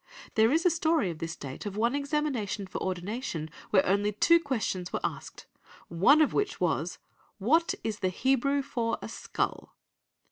There is a story of this date of one examination for ordination where only two questions were asked, one of which was, "What is the Hebrew for a skull?"